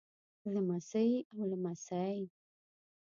لمسۍ او لمسى